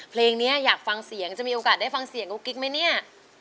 เพลงนี้อยากฟังเสียงจะมีโอกาสได้ฟังเสียงกุ๊กกิ๊กไหมเนี่ย